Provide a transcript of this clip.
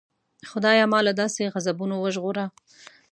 خدایه ما له داسې غضبونو وژغوره.